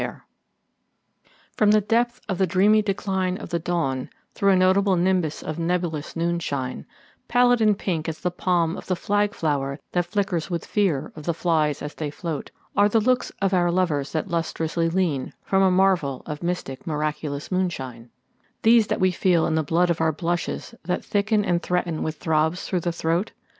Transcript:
] FROM the depth of the dreamy decline of the dawn through a notable nimbus of nebulous noonshine, Pallid and pink as the palm of the flag flower that flickers with fear of the flies as they float, Are the looks of our lovers that lustrously lean from a marvel of mystic miraculous moonshine, These that we feel in the blood of our blushes that thicken and threaten with throbs through the throat?